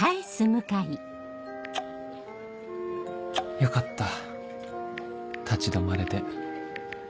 よかった立ち止まれて